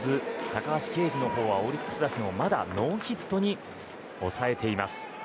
高橋奎二の方はオリックス打線をまだノーヒットに抑えています。